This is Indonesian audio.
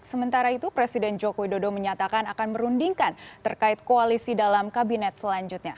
sementara itu presiden joko widodo menyatakan akan merundingkan terkait koalisi dalam kabinet selanjutnya